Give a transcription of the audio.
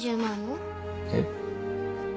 えっ。